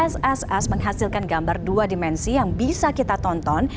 sss menghasilkan gambar dua dimensi yang bisa kita tonton